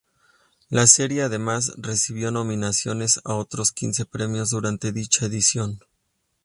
La serie además, recibió nominaciones a otros quince premios durante dicha edición.